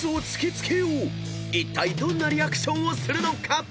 ［いったいどんなリアクションをするのか］